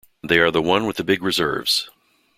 They are the one with the big reserves.